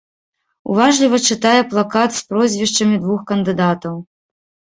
Уважліва чытае плакат з прозвішчамі двух кандыдатаў.